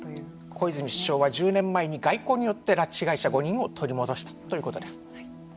小泉首相は１０年前に外交によって拉致被害者５人を取り戻したということです。